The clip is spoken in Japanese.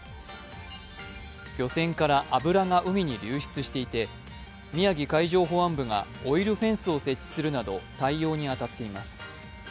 漁船から油が海に流出していて、宮城海上保安部がオイルフェンスを設置するなど対応に当たっています。